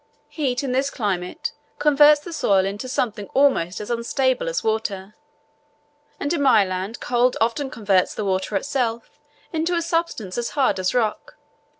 Heat, in this climate, converts the soil into something almost as unstable as water; and in my land cold often converts the water itself into a substance as hard as rock.